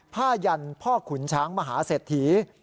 ผ้ายันพ่อขุนช้างมหาเสดถี